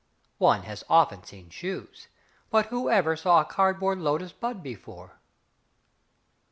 One has often seen shoes, but whoever saw a cardboard lotus bud before?